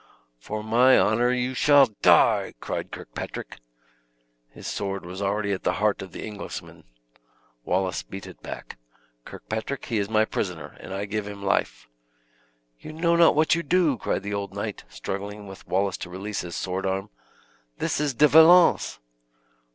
"For my honor you shall die!" cried Kirkpatrick. His sword was already at the heart of the Englishman. Wallace beat it back. "Kirkpatrick, he is my prisoner, and I give him life." "You know not what you do," cried the old knight, struggling with Wallace to release his sword arm. "This is De Valence!"